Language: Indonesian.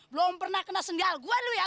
belum pernah kena sendial gua lu ya